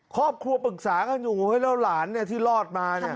ครอบครัวปรึกษากันอยู่แล้วหลานที่รอดมา